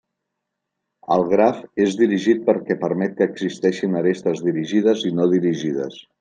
El graf és dirigit perquè permet que existeixin arestes dirigides i no dirigides.